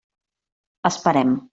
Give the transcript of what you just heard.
Esperem.